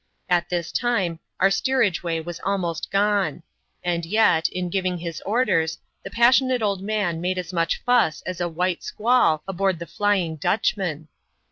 At this ^e our steerage way was almost gone ; and yet, in giving his orders, the passionate old man made as much fuss as a white iquaU aboard the Flying Dutchman.